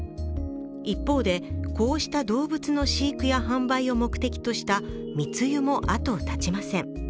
一方で、こうした動物の飼育や販売を目的とした密輸も後を絶ちません。